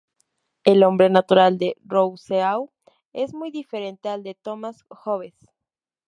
El hombre natural de Rousseau es muy diferente al de Thomas Hobbes.